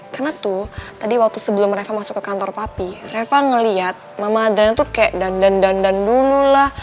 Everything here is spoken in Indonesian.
karena tuh tadi waktu sebelum reva masuk ke kantor papi reva ngeliat mama adriana tuh kayak dandan dandan dulu lah